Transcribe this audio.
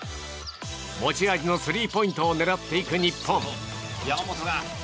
持ち味のスリーポイントを狙っていく日本。